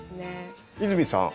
泉さん